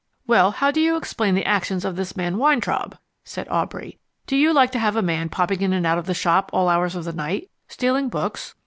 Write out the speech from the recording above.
"Well, how do you explain the actions of this man Weintraub?" said Aubrey. "Do you like to have a man popping in and out of the shop at all hours of the night, stealing books?"